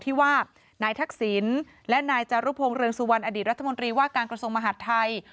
ที่ว่านายทักษิณและนายจารุพงศ์เรืองสุวรรณอดีตรัฐมนตรีว่าการกระทรวงมหาดไทย